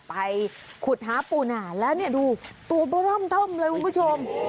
ไปขุดหาปูหนาแล้วเนี่ยดูตัวร่อมท่อมเลยคุณผู้ชม